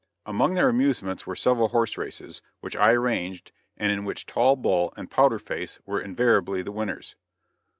Among their amusements were several horse races, which I arranged, and in which Tall Bull and Powder Face were invariably the winners.